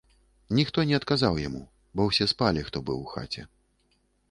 Ніхто не адказаў яму, бо ўсе спалі, хто быў у хаце.